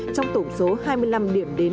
trong tổng số hai mươi năm điểm đến